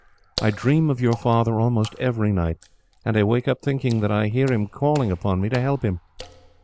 I dream of your father almost every night, and I wake up thinking that I hear him calling upon me to help him.